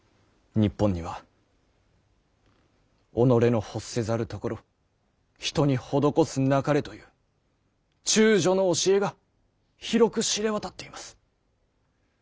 日本には「己の欲せざる所人に施すなかれ」という忠恕の教えが広く知れ渡っています。